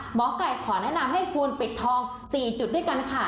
หมอไก่ขอแนะนำให้คุณปิดทอง๔จุดด้วยกันค่ะ